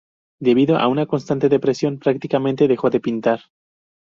Debido a una constante depresión, prácticamente dejó de pintar.